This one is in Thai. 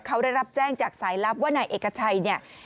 เขาได้รับแจ้งจากสายลับว่านายเอกชัยเนี่ย